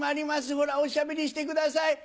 ほらおしゃべりしてください。